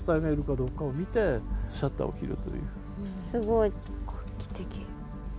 すごい。画期的。